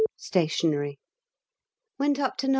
Stationary. Went up to No.